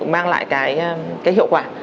mang lại cái hiệu quả